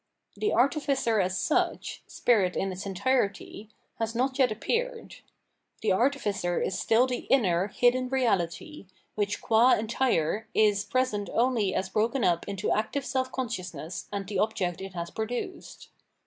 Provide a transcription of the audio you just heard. The artificer as such, spirit in its entirety, has not yet appeared ; the artificer is stiU the iimer, hidden reahty, which qm entire is present only as broken up into active self consciousness and the object it has produced.